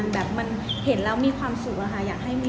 แบบเห็นแล้วมีความสุขนะคะ